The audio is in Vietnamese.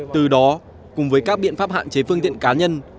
từ đó cùng với các biện pháp hạn chế phương tiện cá nhân